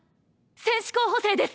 戦士候補生です！